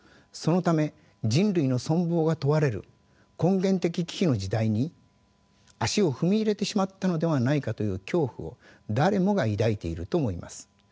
そのため人類の存亡が問われる根源的危機の時代に足を踏み入れてしまったのではないかという恐怖を誰もが抱いていると思います。